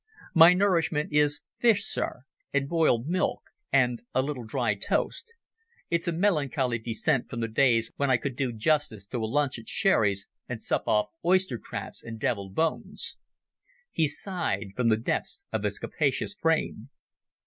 My nourishment is fish, Sir, and boiled milk and a little dry toast. It's a melancholy descent from the days when I could do justice to a lunch at Sherry's and sup off oyster crabs and devilled bones." He sighed from the depths of his capacious frame.